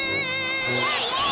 イエイイエイ！